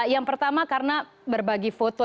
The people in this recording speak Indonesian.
yang pertama karena berbagi foto